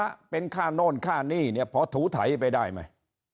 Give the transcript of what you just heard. มันเป็นค่าโน่นค่าหนี้พอทูถัยไปได้มั้ย